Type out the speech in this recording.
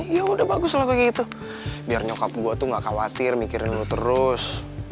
ya udah bagus lah aku gitu biar nyokap gue tuh gak khawatir mikirin dulu terus